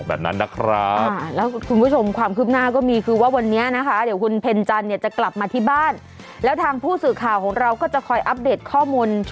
แบบนั้นนะฮะแล้วคุณผู้ชมความคืบหน้าก็มีคือว่าวันเนี่ยนะคะเดี๋ยวคุณถึงแต่งเนี่ยจะกลับมาที่บ้านแล้วทางผู้สื่อข่าวของเราก็จะคอยอัพเดทข้อมูลช่วง๖โมงเย็นนี่แหละ